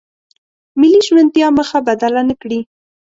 ملي ژمنتیا مخه بدله نکړي.